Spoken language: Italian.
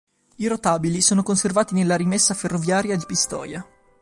I rotabili sono conservati nella rimessa ferroviaria di Pistoia.